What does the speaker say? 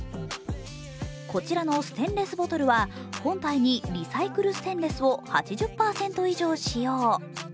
こちらのステンレスボトルは本体にリサイクルステンレスを８０％以上、使用。